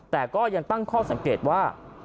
แต่ก็ยังตั้งข้อสังเกตว่า